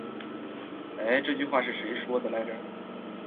欸，这句话是谁说的来着。